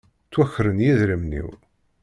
Ttwakren yedrimen-iw.